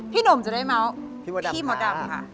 หนุ่มจะได้เมาส์พี่มดดำค่ะ